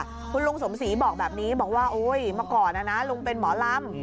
คุณลุงสมศรีบอกแบบนี้บอกว่าโอ๊ยเมื่อก่อนนะลุงเป็นหมอลำ